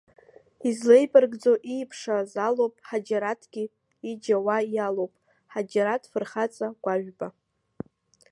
Излеибаркӡоу ииԥшааз алоуп, ҳаџьараҭгьы иџьа уа иалоуп, Ҳаџьараҭ фырхаҵа Гәажәба!